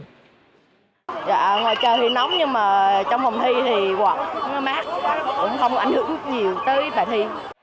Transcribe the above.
trời thì nóng nhưng trong phòng thi thì mát cũng không ảnh hưởng nhiều tới bài thi